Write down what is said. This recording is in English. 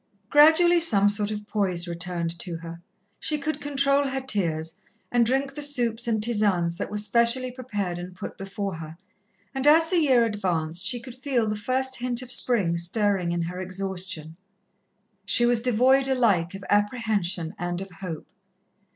Gradually some sort of poise returned to her. She could control her tears, and drink the soups and tisanes that were specially prepared and put before her, and as the year advanced, she could feel the first hint of Spring stirring in her exhaustion. She was devoid alike of apprehension and of hope.